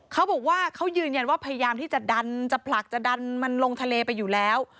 เขาบอกว่าเขายืนยันว่าพยายามที่จะดันจะผลักจะดันมันลงทะเลไปอยู่แล้ว